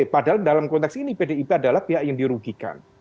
padahal dalam konteks ini pdip adalah pihak yang dirugikan